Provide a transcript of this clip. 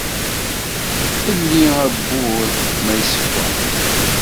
Lli awwur, ma isekkeṛ!